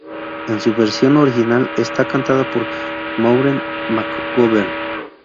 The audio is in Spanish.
En su versión original está cantada por Maureen McGovern.